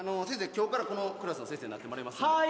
今日からこのクラスの先生になってもらいますのでは